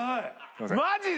マジで！？